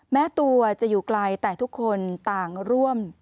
แม้ตัวจะอยู่ไกลแต่ทุกคนต่างร่วม